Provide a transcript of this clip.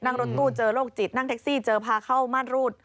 นั่งรถตู้เจอโรคจิตนั่งแท็กซี่เจอพาเข้าม่านรูด